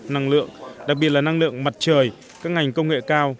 năng lượng đặc biệt là năng lượng mặt trời các ngành công nghệ cao